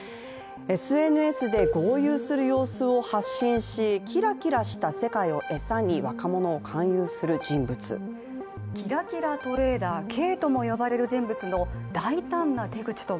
ＳＮＳで豪遊する様子を発信しキラキラした世界を餌に若者を勧誘する人物キラキラトレーダーＫとも呼ばれる人物の大胆な手口とは。